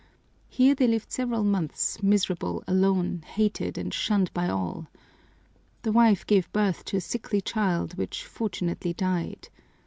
Here they lived several months, miserable, alone, hated and shunned by all. The wife gave birth to a sickly child, which fortunately died.